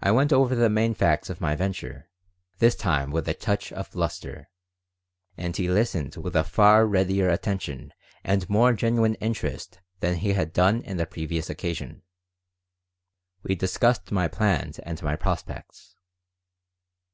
I went over the main facts of my venture, this time with a touch of bluster. And he listened with far readier attention and more genuine interest than he had done on the previous occasion. We discussed my plans and my prospects.